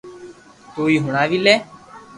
تو ھي ھڻاوي لي